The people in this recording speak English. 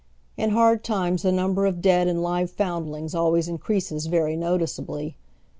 In hard times the number of dead and live foundlings always increases very noticeably.